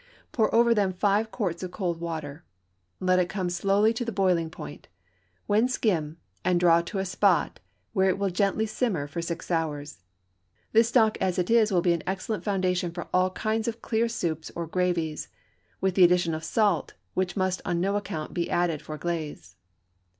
Pour over them five quarts of cold water; let it come slowly to the boiling point, when skim, and draw to a spot where it will gently simmer for six hours. This stock as it is will be an excellent foundation for all kinds of clear soups or gravies, with the addition of salt, which must on no account be added for glaze.